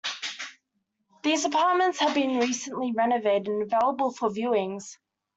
These apartments have been recently renovated and are available for viewings.